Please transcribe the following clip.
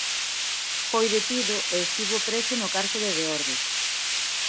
Foi detido e estivo preso no cárcere de Ordes.